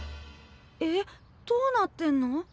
えっどうなってんの？